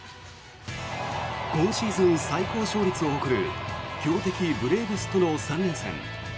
今シーズン最高勝率を誇る強敵ブレーブスとの３連戦。